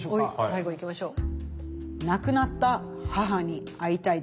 最後いきましょう。